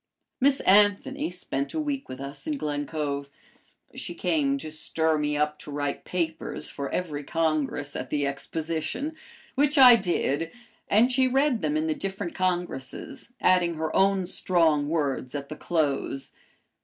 Miss Anthony spent a week with us in Glen Cove. She came to stir me up to write papers for every Congress at the Exposition, which I did, and she read them in the different Congresses, adding her own strong words at the close.